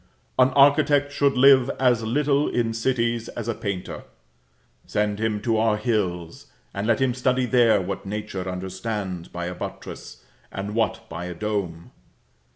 An architect should live as little in cities as a painter. Send him to our hills, and let him study there what nature understands by a buttress, and what by a dome.